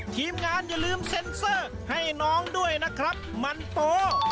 ทีมงานอย่าลืมเซ็นเซอร์ให้น้องด้วยนะครับมันโป